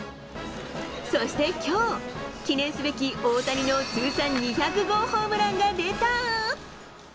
そしてきょう、記念すべき大谷の通算２００号ホームランが出た。